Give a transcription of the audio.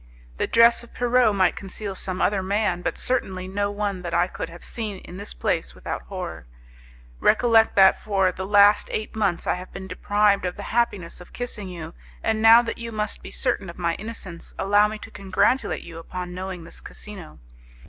The dress of Pierrot might conceal some other man, but certainly no one that I could have seen in this place without horror. Recollect that for the last eight months I have been deprived of the happiness of kissing you, and now that you must be certain of my innocence, allow me to congratulate you upon knowing this casino.